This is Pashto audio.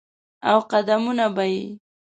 او قدمونه به یې،